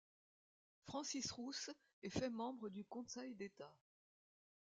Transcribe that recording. Francis Rous est fait membre du Conseil d'État.